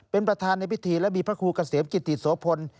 เป็นประธานในพิธีและมีพระครูเกษมกิติโสพล